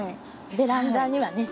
ベランダにはね